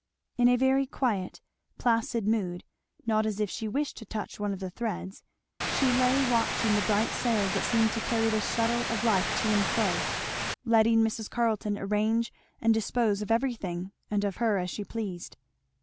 In a very quiet, placid mood, not as if she wished to touch one of the threads, she lay watching the bright sails that seemed to carry the shuttle of life to and fro; letting Mrs. Carleton arrange and dispose of everything and of her as she pleased.